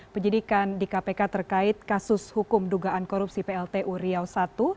penyidikan di kpk terkait kasus hukum dugaan korupsi pltu riau i